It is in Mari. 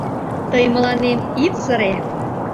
Тый мыланем ит сыре.